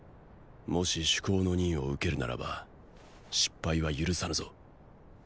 もし主攻の任を受けるならば失敗は許さぬぞ。